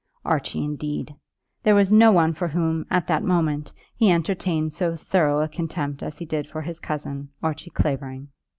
Archie indeed! There was no one for whom, at that moment, he entertained so thorough a contempt as he did for his cousin, Archie Clavering.